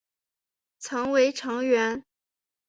曾为成员。